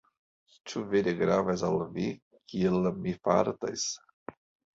Ĉu vere gravas al vi kiel mi fartas?